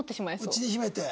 内に秘めて？